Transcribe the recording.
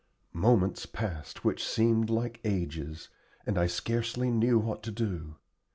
Moments passed which seemed like ages, and I scarcely knew what to do.